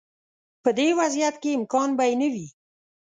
په دې وضعیت کې امکان به یې نه وي.